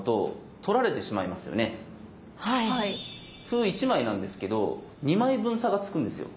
歩１枚なんですけど２枚分差がつくんですよ。